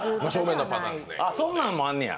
そんなんもあんねや。